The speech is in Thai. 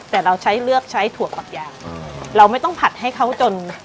แต่เราใช้เลือกใช้ถั่วฝักยาวเราไม่ต้องผัดให้เขาจน